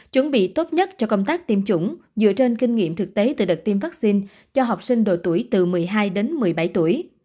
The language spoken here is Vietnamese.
chuẩn bị tốt nhất cho công tác tiêm chủng dựa trên kinh nghiệm thực tế từ đợt tiêm vaccine cho học sinh độ tuổi từ một mươi hai đến một mươi bảy tuổi